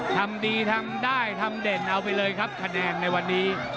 ทำดีทำได้ทำเด่นเอาไปเลยครับคะแนนในวันนี้